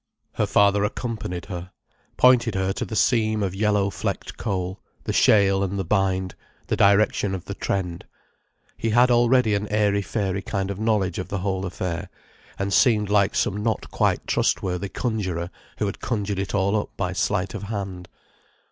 Her father accompanied her, pointed her to the seam of yellow flecked coal, the shale and the bind, the direction of the trend. He had already an airy fairy kind of knowledge of the whole affair, and seemed like some not quite trustworthy conjuror who had conjured it all up by sleight of hand.